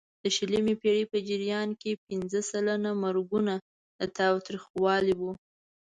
د شلمې پېړۍ په جریان کې پینځه سلنه مرګونه د تاوتریخوالي وو.